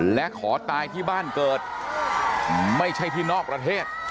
และขอตายที่บ้านเกิดไม่ใช่ที่นอกประเทศ